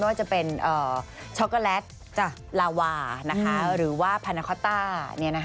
ว่าจะเป็นช็อกโกแลตลาวาหรือว่าพานาคอตต้า